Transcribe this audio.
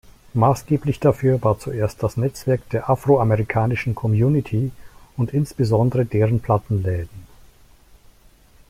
Maßgeblich dafür war zuerst das Netzwerk der afroamerikanischen Community und insbesondere deren Plattenläden.